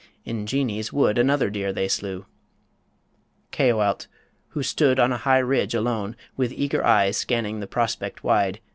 In Geanies wood Another deer they slew ... Caoilte, who stood On a high ridge alone ... with eager eyes Scanning the prospect wide